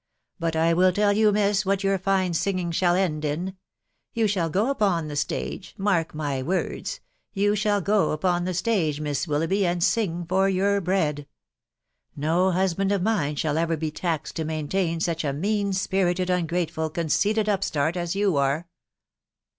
But I will tell you, miss, what your fine singing shall end in. •.. You shall go upon he stage' .... mark my Words' .... ^ou shall go" upon the stage, Miss tVillougtiby, and sing for your bread. No husband of mine shall ever be taxed to maintain such * mean spirited, ungrateful, conceited upstart as you are